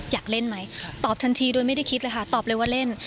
อยากเล่นไหมตอบทันทีโดยไม่ได้คิดเลยค่ะตอบเลยว่าเล่น